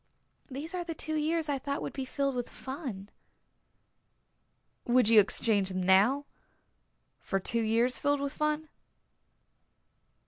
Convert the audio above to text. These are the two years I thought would be filled with fun." "Would you exchange them now for two years filled with fun?"